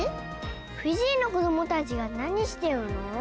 フィジーの子どもたちがなにしてるの？